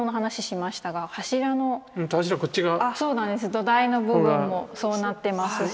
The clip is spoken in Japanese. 土台の部分もそうなってますし。